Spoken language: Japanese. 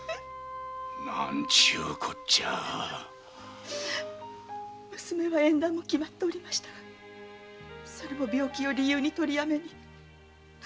何ちぅこっちゃ娘は縁談が決まっていましたが病気を理由にとりやめに。